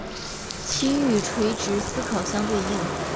其与垂直思考相对应。